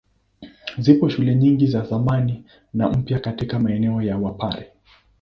Zipo shule nyingi za zamani na mpya katika maeneo ya Wapare.